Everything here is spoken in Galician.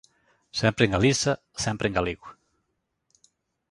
Sempre en Galiza, sempre en galego